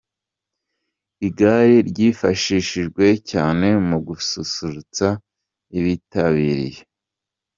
Igare ryifashishijwe cyane mu gususurutsa abitabiriye.